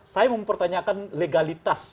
saya mau mempertanyakan legalitas